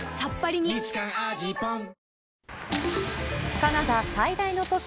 カナダ最大の都市